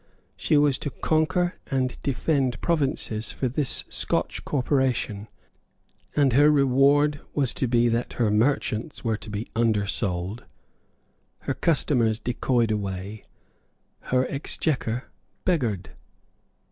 She was to conquer and defend provinces for this Scotch Corporation; and her reward was to be that her merchants were to be undersold, her customers decoyed away, her exchequer beggared.